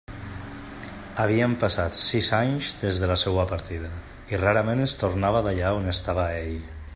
Havien passat sis anys des de la seua partida, i rarament es tornava d'allà on estava ell.